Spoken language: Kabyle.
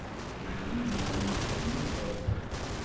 Yelli d lwens n yifadden.